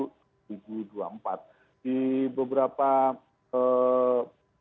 di beberapa banyak negara mereka selalu mengatakan bahwa pemilu di indonesia ini jauh lebih advance gitu ya jauh lebih rumit